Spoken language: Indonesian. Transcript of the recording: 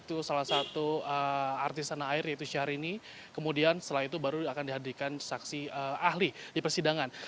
karena akhirnya itu sehari ini kemudian setelah itu baru akan dihadirkan saksi ahli di persidangan